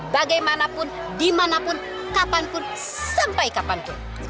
bagaimanapun dimanapun kapanpun sampai kapanpun